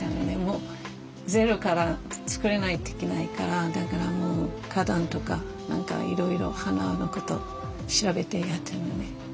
でもゼロから造れないといけないからだからもう花壇とか何かいろいろ花の事調べてやったんやね。